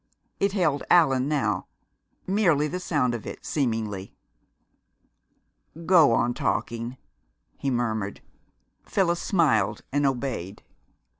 It held Allan now; merely the sound of it, seemingly. "Go on talking," he murmured. Phyllis smiled and obeyed.